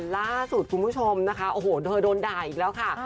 ล่าสุดคุณผู้ชมนะคะโอ้โหเธอโดนด่าอีกแล้วค่ะ